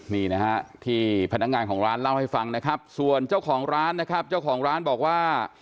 นี่นะฮะที่พนักงานของร้านเล่าให้ฟังนะครับส่วนเจ้าของร้านนะครับเจ้าของร้านบอกว่า